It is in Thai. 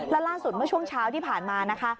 และล่าสุดเมื่อช่วงเช้าที่ผ่านมานะคะ